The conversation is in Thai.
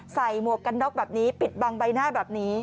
หมวกกันน็อกแบบนี้ปิดบังใบหน้าแบบนี้